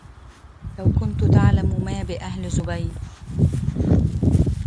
لو كنت تعلم ما بأهل زبيد